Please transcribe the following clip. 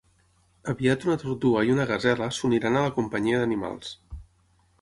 Aviat una tortuga i una gasela s'uniran a la companyia d'animals.